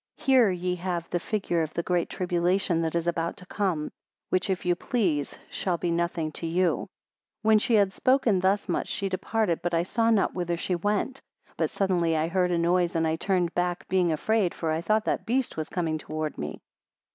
Here ye have the figure of the great tribulation that is about to come; which, if you please, shall be nothing to you. 29 When she had spoken thus much, she departed; but I saw not whither she went. But suddenly I heard a noise, and I turned back, being afraid, for I thought that the beast was coming toward me.